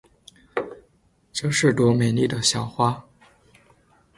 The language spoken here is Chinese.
这是朵美丽的小花。